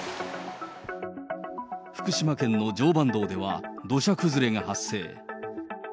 福島県の常磐道では、土砂崩れが発生。